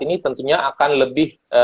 ini tentunya akan lebih